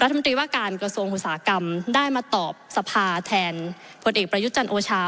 รัฐมนตรีว่าการกระทรวงโศพกรรมได้มาตอบสภาแทนผู้เอกประยุจันโอชา